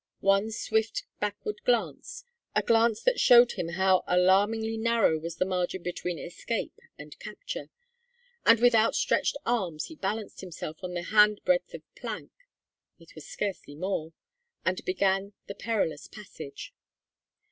One swift backward glance a glance that stowed him how alarmingly narrow was the margin between escape and capture and with outstretched arms he balanced himself on the handbreadth of plank it was scarcely more and began the perilous passage.